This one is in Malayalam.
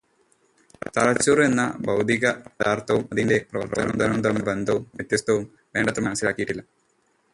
തലച്ചോറു് എന്ന ഭൗതികപദാർത്ഥവും അതിന്റെ പ്രവർത്തനവും തമ്മിലുള്ള ബന്ധവും വ്യത്യാസവും വേണ്ടത്ര മനസ്സിലാക്കിയിട്ടില്ല.